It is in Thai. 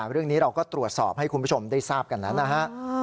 เรื่องนี้เราก็ตรวจสอบให้คุณผู้ชมได้ทราบกันนั้นนะฮะ